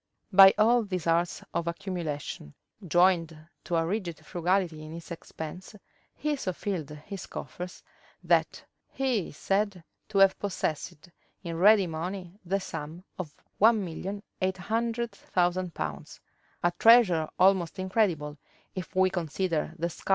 {1505.} By all these arts of accumulation, joined to a rigid frugality in his expense, he so filled his coffers, that he is said to have possessed in ready money the sum of one million eight hundred thousand pounds; a treasure almost incredible, if we consider the scarcity of money in those times.